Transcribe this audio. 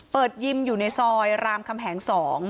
ยิมอยู่ในซอยรามคำแหง๒